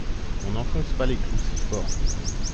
On n’enfonce pas les clous si fort.